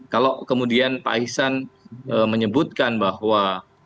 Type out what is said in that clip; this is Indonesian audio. kalau kemudian pak ihsan menyebutkan bahwa